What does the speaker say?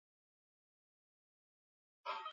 Hii ni kuhakikisha mbinu sahihi zaidi na ufanisi zinawekwa